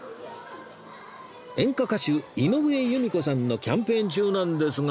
演歌歌手井上由美子さんのキャンペーン中なんですが